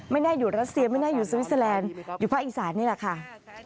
ไม่น่าอยู่รัสเซียไม่น่าอยู่สวิสเตอร์แลนด์อยู่ภาคอีสานนี่แหละค่ะ